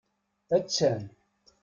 Attan!